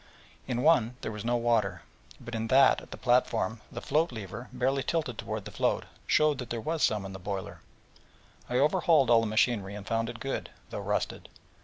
In one there was no water, but in that at the platform, the float lever, barely tilted toward the float, showed that there was some in the boiler. Of this one I overhauled all the machinery, and found it good, though rusted.